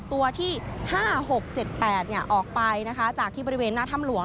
ตัวที่๕๖๗๘ออกไปนะคะจากที่บริเวณหน้าถ้ำหลวง